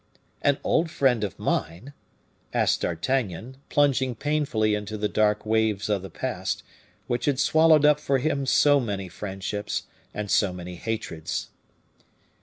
"An old friend of mine?" asked D'Artagnan, plunging painfully into the dark waves of the past, which had swallowed up for him so many friendships and so many hatreds.